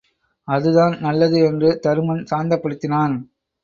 அது தான் நல்லது என்று தருமன் சாந்தப்படுத்தினான்.